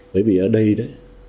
bởi vì ở đây đó